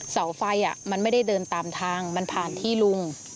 เสาไฟมันไม่ได้เดินตามทางมันผ่านที่ลุง